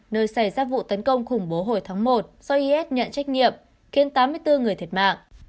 nơi xảy ra vụ tấn công khủng bố hồi tháng một do is nhận trách nhiệm khiến tám mươi bốn người thiệt mạng